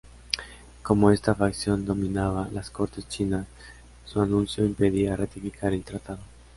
Como esta facción dominaba las cortes chinas, su anuncio impedía ratificar el tratado.